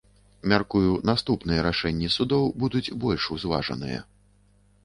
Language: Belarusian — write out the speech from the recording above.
Мяркую, наступныя рашэнні судоў будуць больш узважаныя.